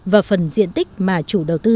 và phần diện tích mà chủ đầu tư